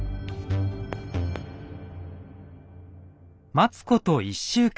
待つこと１週間。